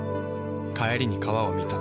帰りに川を見た。